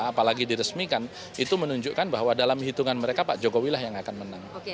apalagi diresmikan itu menunjukkan bahwa dalam hitungan mereka pak jokowi lah yang akan menang